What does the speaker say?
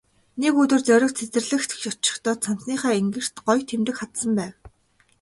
Нэг өдөр Зориг цэцэрлэгт очихдоо цамцныхаа энгэрт гоё тэмдэг хадсан байв.